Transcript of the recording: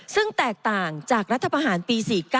ซึ่งแตกต่างจากรัฐประหารปี๔๙